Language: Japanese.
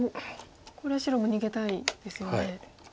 これは白も逃げたいですよね。